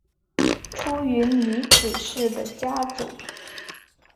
出云尼子氏的家祖。